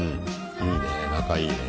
いいね仲いいね。